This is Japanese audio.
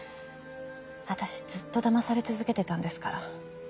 私ずっとだまされ続けてたんですから。